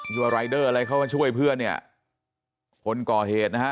ว่ารายเดอร์อะไรเข้ามาช่วยเพื่อนเนี่ยคนก่อเหตุนะฮะ